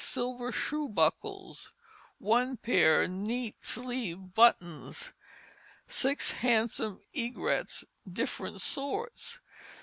Silver Shoe Buckles. 1 p. Neat Sleeve Buttons. 6 Handsome Egrettes Different Sorts.